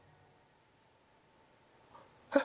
えっ？